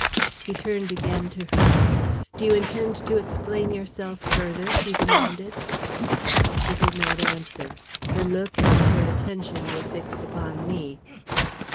He turned again to her. "Do you intend to explain yourself further?" he demanded. She did not answer; her look and her attention were fixed upon me.